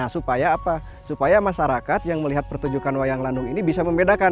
supaya apa supaya masyarakat yang melihat pertunjukan wayang landung ini bisa membedakan